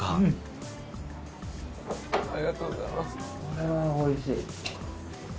これはおいしい。